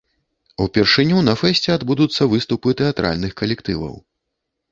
Упершыню на фэсце адбудуцца выступы тэатральных калектываў.